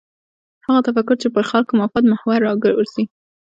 هغه تفکر چې پر خلکو مفاد محور راګرځي.